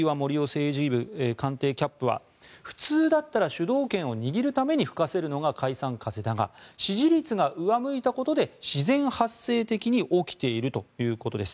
政治部官邸キャップは普通だったら主導権を握るために吹かせるのが解散風だが支持率が上向いたことで自然発生的に起きているということです。